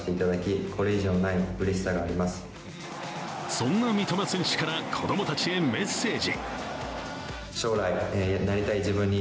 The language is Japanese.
そんな三笘選手から子供たちへメッセージ。